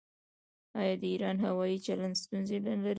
آیا د ایران هوايي چلند ستونزې نلري؟